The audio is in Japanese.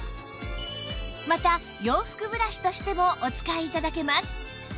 また洋服ブラシとしてもお使い頂けます